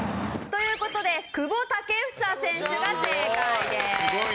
「という事で久保建英選手が正解です」